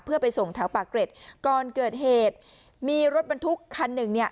เพื่อไปส่งแถวปากเกร็ดก่อนเกิดเหตุมีรถบรรทุกคันหนึ่งเนี่ย